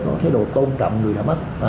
có thái độ tôn trọng người đã mất